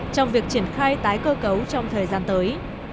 trong việc triển khai tái cơ cấu trong thời gian tới